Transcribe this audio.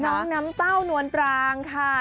น้องน้ำเต้านวลปรางค่ะ